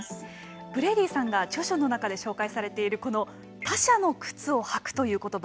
ブレイディさんが著書の中で紹介されているこの「他者の靴を履く」ということば